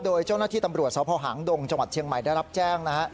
โดยเจ้าหน้าที่ตำรวจสภหางดงจังหวัดเชียงใหม่ได้รับแจ้งนะฮะ